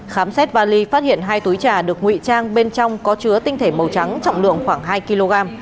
khám xét bali phát hiện hai túi trà được nguy trang bên trong có chứa tinh thể màu trắng trọng lượng khoảng hai kg